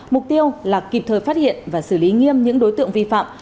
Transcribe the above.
mục tiêu là kịp thời phát hiện và xử lý nghiêm những đối tượng vi phạm